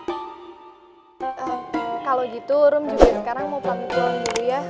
eee kalau gitu rum juga sekarang mau pelan pelan dulu ya